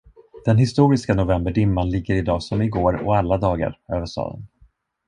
Den historiska novemberdimman ligger i dag som i går och alla dagar över staden.